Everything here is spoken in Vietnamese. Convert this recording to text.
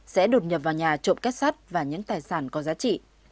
sẽ đột nhập vào nhà trộm kết sắt và những tài sản có giá trị